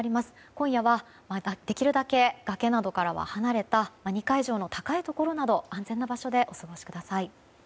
今夜はできるだけ崖などからは離れた２階以上の高いところなど安全な場所でお過ごしください。